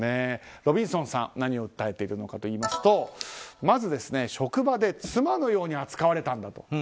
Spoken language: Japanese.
ロビンソンさん何を訴えているかといいますとまず職場で妻のように扱われたんだと。